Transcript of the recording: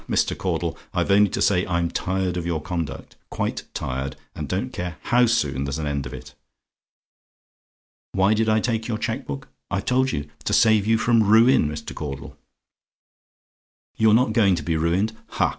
Mr. Caudle! I've only to say, I'm tired of your conduct quite tired, and don't care how soon there's an end of it. "WHY DID I TAKE YOUR CHEQUE BOOK? "I've told you to save you from ruin, Mr. Caudle. "YOU'RE NOT GOING TO BE RUINED? "Ha!